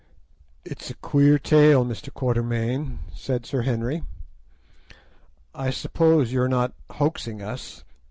"It's a queer tale, Mr. Quatermain," said Sir Henry. "I suppose you are not hoaxing us?